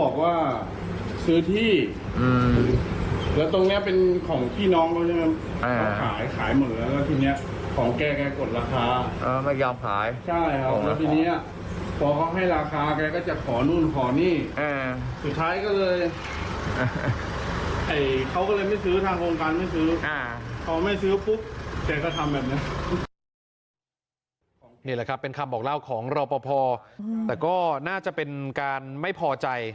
เขาก็เลยไม่ซื้อทางโครงการไม่ซื้อ